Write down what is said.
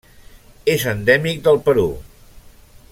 És endèmic del Perú.